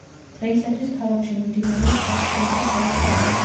დღეისათვის ქალაქში მიმდინარეობს აღდგენითი სამუშაოები.